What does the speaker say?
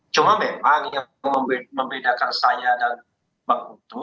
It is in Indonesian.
cuma memang yang membedakan saya dan bang uto